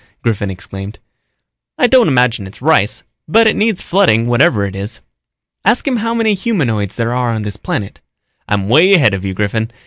Griffin exclaimed. "I don't imagine it's rice, but it needs flooding whatever it is." "Ask him how many humanoids there are on this planet." "I'm way ahead of you, Griffin.